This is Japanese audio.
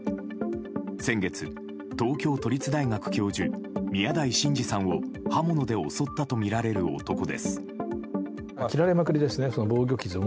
先月、東京都立大学教授宮台真司さんを刃物で襲ったとみられる男です。